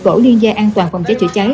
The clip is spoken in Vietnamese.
tổ liên gia an toàn phòng cháy chữa cháy